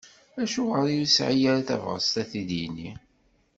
Acuɣer ur yesɛi ara tabɣest a t-id-yini?